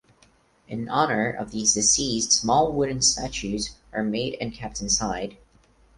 In honour of these deceased small wooden statues are made and kept inside.